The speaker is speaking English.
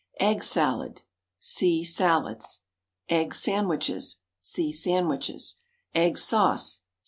EGG SALAD. (See SALADS.) EGG SANDWICHES. (See SANDWICHES.) EGG SAUCE.